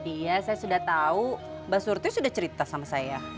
iya saya sudah tahu mbak surti sudah cerita sama saya